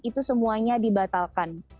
itu semuanya dibatalkan